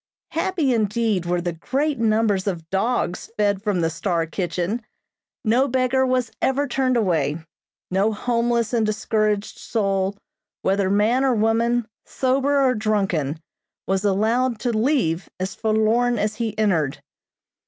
Happy, indeed, were the great numbers of dogs fed from the "Star" kitchen. No beggar was ever turned away. No homeless and discouraged soul, whether man or woman, sober or drunken, was allowed to leave as forlorn as he entered.